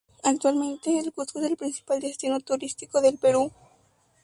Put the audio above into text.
Actualmente, el Cuzco es el principal destino turístico del Perú.